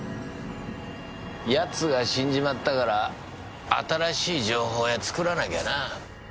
奴が死んじまったから新しい情報屋作らなきゃな。